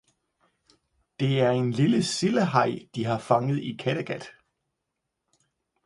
Det er en lille sildehaj de har fanget i Kattegat